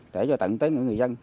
để cho tận tới người dân